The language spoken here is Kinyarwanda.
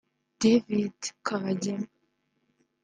David Kabagema